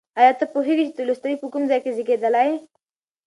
ایا ته پوهېږې چې تولستوی په کوم ځای کې زېږېدلی؟